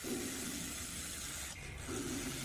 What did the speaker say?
Within days the band had several offers.